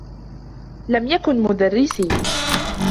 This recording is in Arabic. لم يكن مدرّسي.